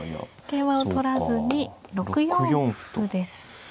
桂馬を取らずに６四歩です。